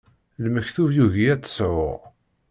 Lmektub yugi ad tt-sɛuɣ.